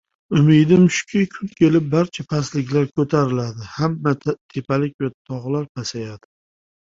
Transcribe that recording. Umidim shuldirki, kun kelib barcha pastliklar ko‘tariladi, hamma tepalik va tog‘lar pasayadi